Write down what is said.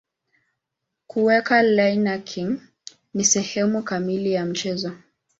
Kuweka lynching ni sehemu kamili ya mchezo.